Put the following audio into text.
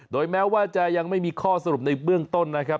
แม้ว่าจะยังไม่มีข้อสรุปในเบื้องต้นนะครับ